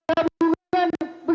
untuk mencari kebenaran